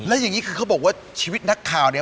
แล้วอย่างนี้คือเขาบอกว่าชีวิตนักข่าวเนี่ย